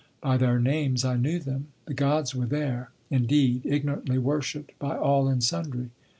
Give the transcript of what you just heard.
By their names I knew them. The Gods were there, indeed, ignorantly worshipped by all and sundry.